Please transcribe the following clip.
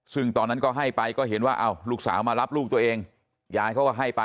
ซึ่งตอนนั้นก็ให้ไปก็เห็นว่าลูกสาวมารับลูกตัวเองยายเขาก็ให้ไป